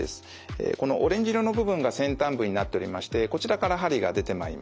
このオレンジ色の部分が先端部になっておりましてこちらから針が出てまいります。